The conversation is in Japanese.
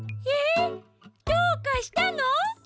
えっどうかしたの？